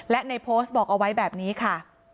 และในโพสต์บอกเอาไว้แบบนี้ค่ะ